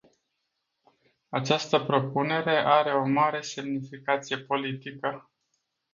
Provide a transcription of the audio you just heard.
Această propunere are o mare semnificație politică.